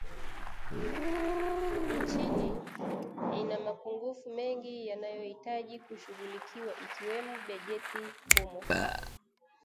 nchini ina mapungufu mengi yanayohitaji kushughuliwa ikiwemo bajeti humo